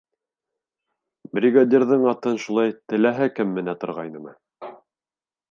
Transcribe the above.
— Бригадирҙың атын шулай теләһә кем менә торғайнымы?